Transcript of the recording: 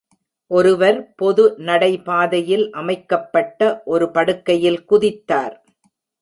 ஒருவர் பொது நடைபாதையில் அமைக்கப்பட்ட ஒரு படுக்கையில் குதித்தார்.